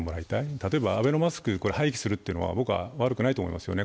例えばアベノマスクを廃棄するのは僕は悪くないと思うんですね。